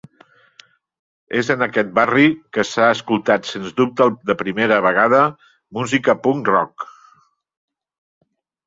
És en aquest barri que s'ha escoltat sens dubte per primera vegada música punk rock.